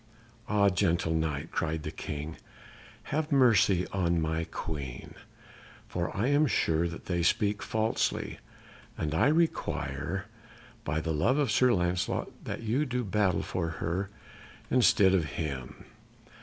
"Ah, gentle Knight," cried the King, "have mercy on my Queen, for I am sure that they speak falsely. And I require by the love of Sir Lancelot that you do battle for her instead of him."